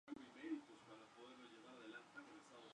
Contribuye frecuentemente al "Botanical Register".